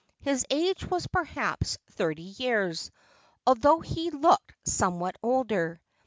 His age was perhaps thirty years, although he looked somewhat older.